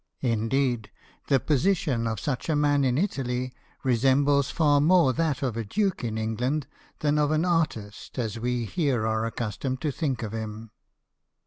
Indeed, the position of such a man in Italy resembles far more that of a duke in England than of an artist as we here are accustomed to think of him.